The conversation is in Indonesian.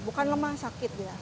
bukan lemah sakit ya